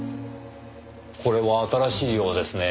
これは新しいようですね。